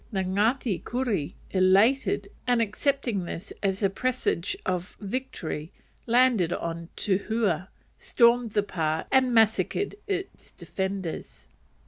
The Ngati Kuri, elated, and accepting this as a presage of victory, landed on Tuhua, stormed the pa, and massacred its defenders.